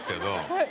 はい。